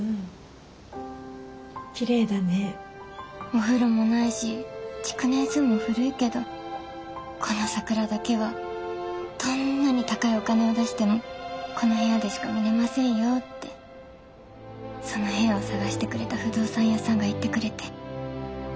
「お風呂もないし築年数も古いけどこの桜だけはどんなに高いお金を出してもこの部屋でしか見れませんよ」ってその部屋を探してくれた不動産屋さんが言ってくれて。